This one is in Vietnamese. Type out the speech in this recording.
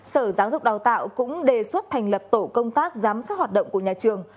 sở giáo dục đào tạo cũng đề xuất thành lập tổ công tác giám sát hoạt động của nhà trường